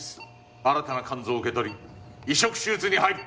新たな肝臓を受け取り移植手術に入る。